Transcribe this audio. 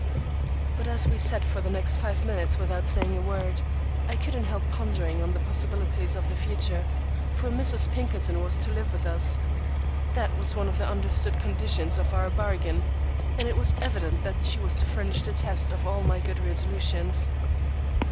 But as we sat for the next five minutes without saying a word, I couldn't help pondering on the possibilities of the future, for Mrs. Pinkerton was to live with us. That was one of the understood conditions of our bargain, and it was evident that she was to furnish the test of all my good resolutions.